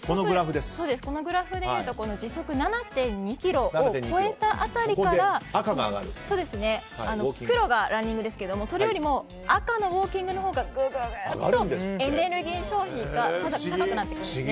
このグラフでいうと時速７．２キロを超えた辺りから黒がランニングですがそれよりも赤のウォーキングのほうがエネルギー消費が高くなります。